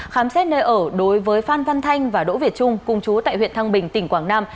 khám xét nơi ở đối với phan văn thanh và đỗ việt trung cùng chú tại huyện thăng bình tỉnh quảng nam